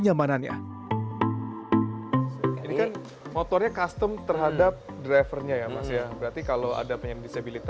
jadi kayak mobil